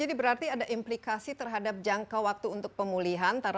ini berarti ada implikasi terhadap jangka waktu untuk pemulihan